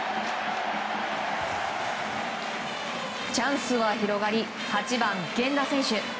チャンスは広がり８番、源田選手。